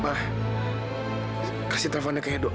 ma kasih teleponnya ke edo